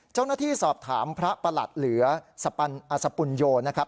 เจ้าหน้าที่สอบถามพระประหลัดเหลือสปัญอสปุญโยนะครับ